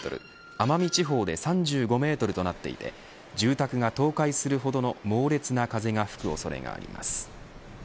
奄美地方で３５メートルとなっていて住宅が倒壊するほどの猛烈な風が吹く恐れがあります。